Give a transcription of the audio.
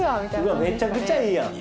めちゃくちゃええやん。